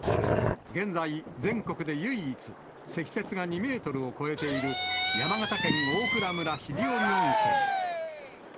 現在、全国で唯一、積雪が２メートルを超えている山形県大蔵村肘折温泉。